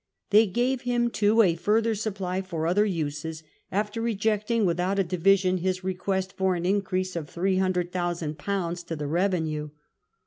They gave liim too a further supply for other uses, after rejecting without a division his request for an increase of 300,00 ol. to the revenue.